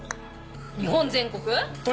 日本全国⁉鳥！